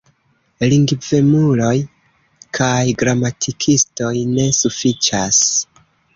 Lingvemuloj kaj gramatikistoj ne sufiĉas.